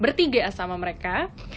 bertiga sama mereka